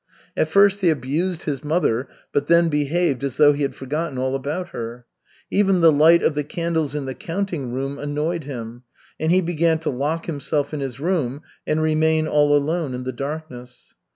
At first he abused his mother, but then behaved as though he had forgotten all about her. Even the light of the candles in the counting room annoyed him, and he began to lock himself in his room and remain all alone in the darkness.